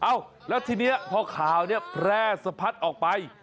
เอ้าแล้วทีนี้พอข่าวนี้แพร่สะพัดออกไป